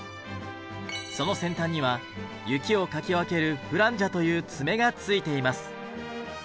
その先端には雪をかき分けるフランジャという爪がついています。